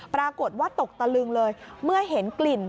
ปรากฏว่าตกตะลึงเลยเมื่อเห็นกลิ่น